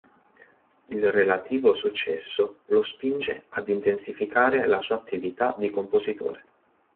Il relativo successo lo spinge ad intensificare la sua attività di compositore.